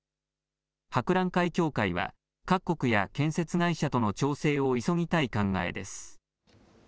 博覧会協会は、各国や建設会社との調整を急ぎたい考えです。